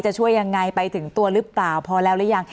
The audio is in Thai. จะช่วยยังไงไปถึงตัวหรือเปล่าพอแล้วหรือยัง